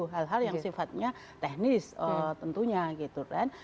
hal hal yang sifatnya teknis tentunya gitu kan